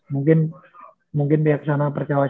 mungkin mungkin dia kesana percaya sama gue